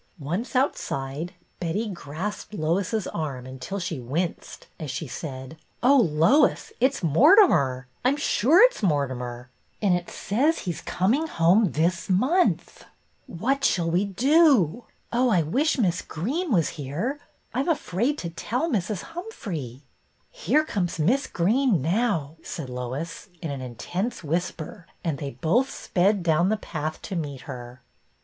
Once outside Betty grasped Lois's arm until she winced, as she said, —" Oh, Lois, it 's Mortimer, I 'm sure it 's Mortimer; and it says he's coming home this month ! What shall we do ? Oh, I BETTY BAIRD 230 wish Miss Greene was here ! I 'm afraid to tell Mrs. Humphrey." " Here comes Miss Greene now," said Lois, in an intense whisper; and they both sped down the path to meet her.